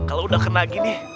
kalau udah kena gini